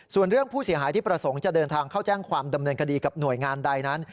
ส่วนเรื่องผู้เสียหายที่ประสงค์จะเดินทางเข้าแจ้งความดำเนินคดีกับหน่วยงานใดนั้น